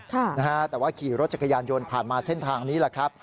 แต่ว่าขี่รถจักรยานโยนผ่านมาเส้นทางนี้แล้ว